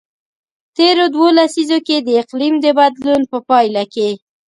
تیرو دوو لسیزو کې د اقلیم د بدلون په پایله کې.